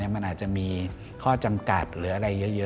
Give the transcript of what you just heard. มันอาจจะมีข้อจำกัดเยอะ